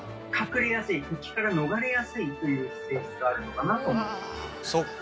敵から逃れやすいという性質があるのかなと思います。